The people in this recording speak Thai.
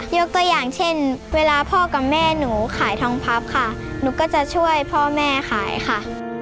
ยกตัวอย่างเช่นเวลาพ่อกับแม่หนูขายทองพับค่ะหนูก็จะช่วยพ่อแม่ขายค่ะ